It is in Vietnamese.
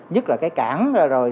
nhất là cái cảng rồi